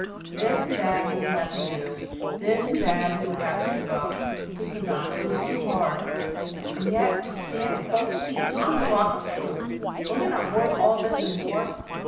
This and that he would have to do; this and that he would have to give up he could not: it was too hard. And yet to stand with both feet on the rock of truth, was it not worth all this and more?